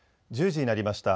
１０時になりました。